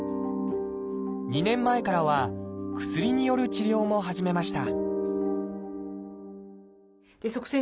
２年前からは薬による治療も始めました